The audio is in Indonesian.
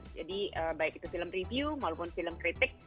jadi baik itu film review maupun film kritik